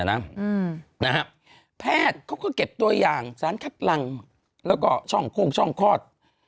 แพทย์เขาก็เก็บตัวอย่างสารคัดหลังแล้วก็ช่องโค้งช่องคลอด